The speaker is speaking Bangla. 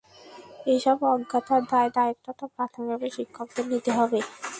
এসব অজ্ঞতার দায় দায়িত্ব তো প্রাথমিকভাবে শিক্ষকদের নিতে হবে।